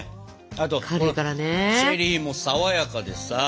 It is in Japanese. あとチェリーも爽やかでさ。